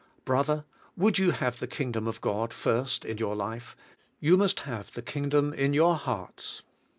Brother, would you have the Kingdom of God first in your life, you must have the Kingdom in your hearts.